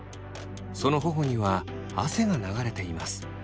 その頬には汗が流れています。